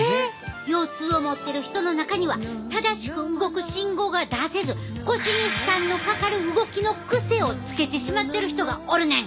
腰痛を持ってる人の中には正しく動く信号が出せず腰に負担のかかる動きのクセをつけてしまってる人がおるねん！